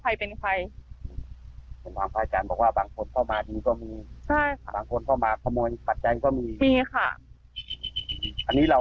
ก็คือพระก็เตือนดีนะคะเตือนตั้งแต่วันดังภาคนะคะ